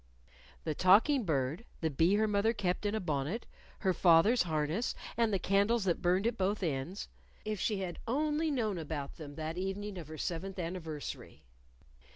The talking bird, the bee her mother kept in a bonnet, her father's harness, and the candles that burned at both ends if she had only known about them that evening of her seventh anniversary!